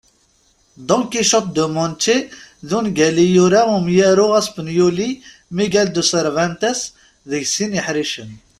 Don Quichotte de Manche d ungal i yura umyaru aspenyuli Miguel de Cervantes deg sin iḥricen.